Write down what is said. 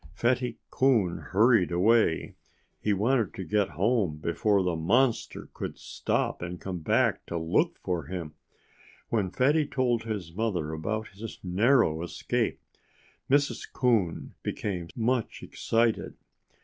Fatty Coon hurried away. He wanted to get home before the monster could stop and come back to look for him. When Fatty told his mother about his narrow escape Mrs. Coon became much excited.